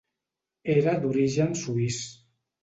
Era d'origen suís.